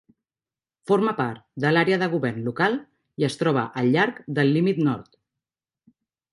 Forma part de l'àrea de govern local i es troba al llarg del límit nord.